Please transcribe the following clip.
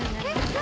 何？